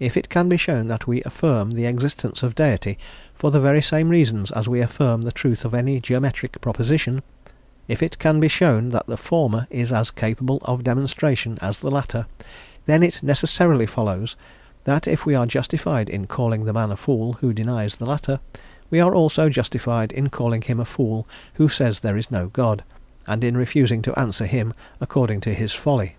If it can be shown that we affirm the existence of Deity for the very same reasons as we affirm the truth of any geometric proposition; if it can be shown that the former is as capable of demonstration as the latter then it necessarily follows that if we are justified in calling the man a fool who denies the latter, we are also justified in calling him a fool who says there is no God, and in refusing to answer him according to his folly."